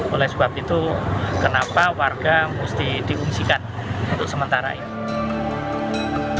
oleh sebab itu kenapa warga mesti diungsikan untuk sementara ini